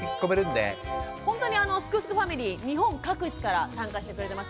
ほんとにすくすくファミリー日本各地から参加してくれてますから。